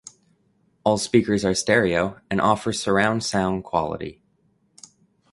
All speakers are stereo and offer surround sound quality.